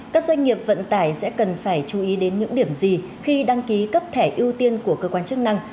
các doanh nghiệp vận tải sẽ cần phải chú ý đến những điểm gì khi đăng ký cấp thẻ ưu tiên của cơ quan chức năng